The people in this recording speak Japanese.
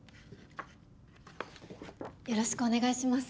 よろしくお願いします。